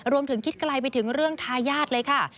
คิดไกลไปถึงเรื่องทายาทเลยค่ะ